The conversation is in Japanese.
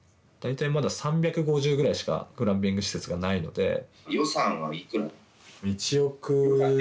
大体まだ３５０ぐらいしかグランピング施設がないので。